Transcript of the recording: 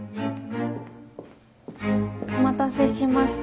・・お待たせしました。